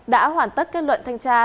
đã hoàn tất kết luận thanh tra